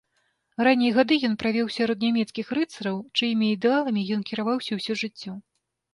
Раннія гады ён правёў сярод нямецкіх рыцараў, чыімі ідэаламі ён кіраваўся ўсё жыццё.